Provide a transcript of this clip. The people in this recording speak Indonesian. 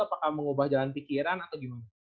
apakah mengubah jalan pikiran atau gimana